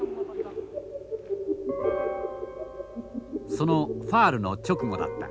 そのファウルの直後だった。